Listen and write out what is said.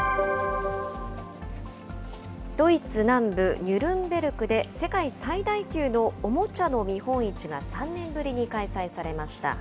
ドイツ南部ニュルンベルクで世界最大級のおもちゃの見本市が、３年ぶりに開催されました。